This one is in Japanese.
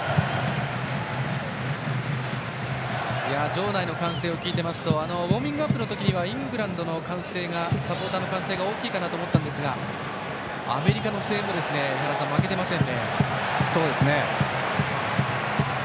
場内の歓声を聞いていますとウォーミングアップの時にはイングランドのサポーターの歓声が大きいかと思ったんですがアメリカの声援も負けていません。